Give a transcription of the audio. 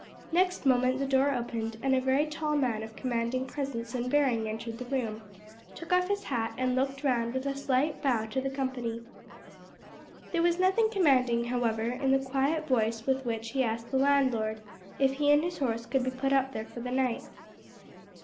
Next moment the door opened, and a very tall man of commanding presence and bearing entered the room, took off his hat, and looked round with a slight bow to the company. There was nothing commanding, however, in the quiet voice with which he asked the landlord if he and his horse could be put up there for the night.